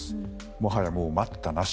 もはや待ったなし。